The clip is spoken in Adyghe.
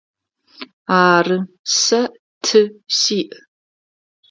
Ары, сэ ты сиӏ.